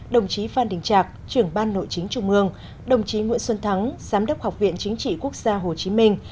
đồng chí phan đình trạc trưởng ban nội chính trung mương đồng chí nguyễn xuân thắng giám đốc học viện chính trị quốc gia hồ chí minh